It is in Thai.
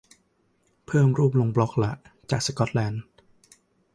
เพิ่มรูปลงบล็อกละ จากสกอตแลนด์